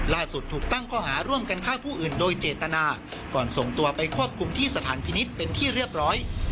ถูกตั้งข้อหาร่วมกันฆ่าผู้อื่นโดยเจตนาก่อนส่งตัวไปควบคุมที่สถานพินิษฐ์เป็นที่เรียบร้อย